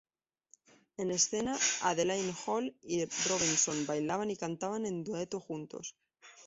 En escena, Adelaide Hall y Robinson bailaban y cantaban un dueto juntos.